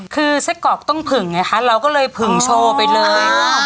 คือไส้กรอกต้องผึ่งไงคะเราก็เลยผึ่งโชว์ไปเลย